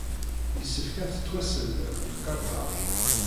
Yessefk ad tettwassedrem Qerṭaj.